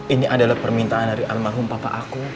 ini adalah permintaan dari almarhum bapak aku